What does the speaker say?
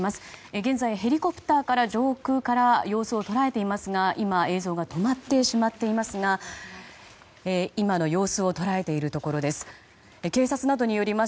現在、ヘリコプターから上空の様子を捉えていますが今、映像が止まってしまっていますが今の様子を捉えているということです。